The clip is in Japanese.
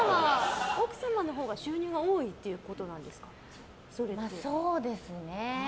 奥様のほうが収入が多いということなんですか？